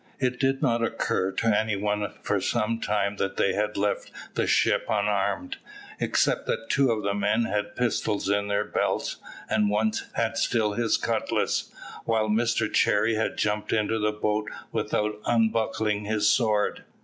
It did not occur to any one for some time that they had left the ship unarmed; except that two of the men had pistols in their belts, and one had still his cutlass, while Mr Cherry had jumped into the boat without unbuckling his sword.